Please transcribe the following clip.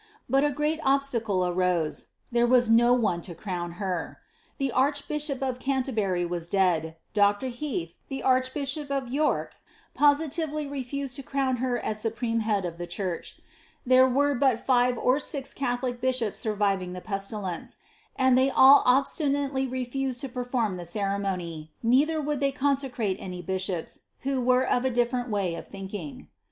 But a greit obstacle arose : there was no one to crown her. The archbishop of Canterbury was dead ; Dr. Heath, the archbishop of York, positively refused to crown her as supreme head of the church ; there were bat five or six Catholic bishops surviving the pestilence, and they all obati* nateiy refused to perform the ceremony, neither would they conaecisie any bishops, who were of a diflerent' way of thinking.'